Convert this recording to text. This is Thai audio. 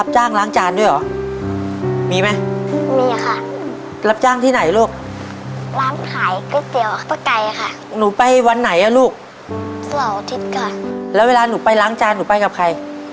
บางทีไปคนเดียวบางทีก็ไปบางน้องค่ะ